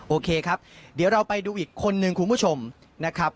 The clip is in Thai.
โอเคครับเดี๋ยวเราไปดูอีกคนนึงคุณผู้ชมนะครับ